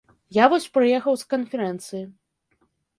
Я вось прыехаў з канферэнцыі.